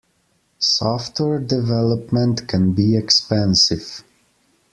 Software development can be expensive.